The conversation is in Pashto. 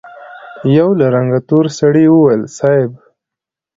يوه له رنګه تور سړي وويل: صېب!